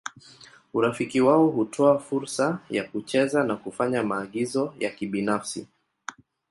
Urafiki wao hutoa fursa ya kucheza na kufanya maagizo ya kibinafsi.